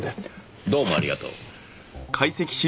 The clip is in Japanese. どうもありがとう。